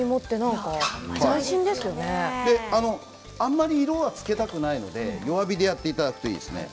こちらはあまり色をつけたくないので弱火でやっていただくといいですね。